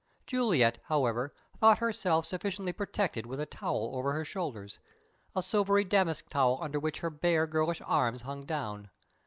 Juliet, however, thought herself sufficiently protected with a towel over her shoulders a silvery damask towel under which her bare, girlish arms hung down.